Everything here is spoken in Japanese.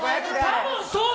多分そう。